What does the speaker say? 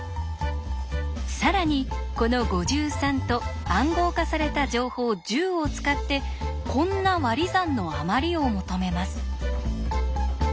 更にこの５３と暗号化された情報１０を使ってこんな割り算のあまりを求めます。